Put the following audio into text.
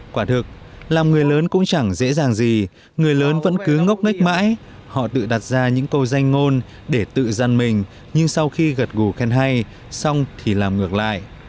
quả thực làm người lớn cũng chẳng dễ dàng gì người lớn vẫn cứ ngốc ngách mãi họ tự đặt ra những câu danh ngôn để tự dân mình nhưng sau khi gật gù khen hay xong thì làm ngược lại